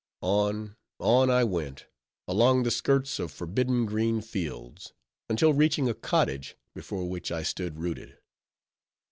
On, on I went, along the skirts of forbidden green fields; until reaching a cottage, before which I stood rooted.